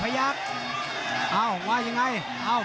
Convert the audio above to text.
ภูตวรรณสิทธิ์บุญมีน้ำเงิน